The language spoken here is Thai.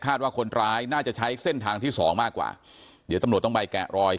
ว่าคนร้ายน่าจะใช้เส้นทางที่สองมากกว่าเดี๋ยวตำรวจต้องไปแกะรอย